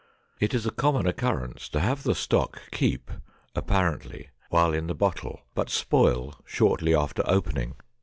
It is a common occurrence to have the stock keep apparently while in the bottle, but spoil shortly after opening.